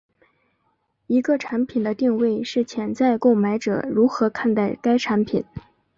一个产品的定位是潜在购买者如何看待该产品。